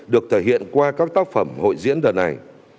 được thể hiện qua các tác phẩm hội diễn đợt này